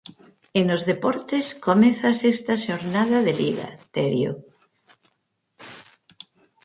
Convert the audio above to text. E nos deportes, comeza a sexta xornada de Liga, Terio.